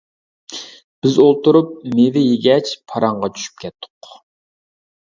بىز ئولتۇرۇپ مېۋە يېگەچ پاراڭغا چۈشۈپ كەتتۇق.